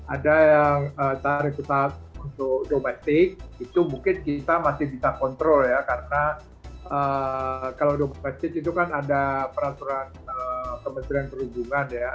ada yang tarif pesawat untuk domestik itu mungkin kita masih bisa kontrol ya karena kalau domestik itu kan ada peraturan kementerian perhubungan ya